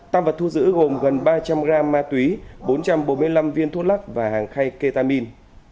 tăng vật thu giữ gồm gần ba trăm linh gram ma túy bốn trăm bốn mươi năm viên thuốc lắc và hàng khay ketamin